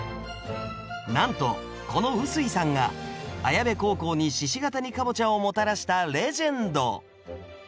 なんとこの碓井さんが綾部高校に鹿ケ谷かぼちゃをもたらしたレジェンド。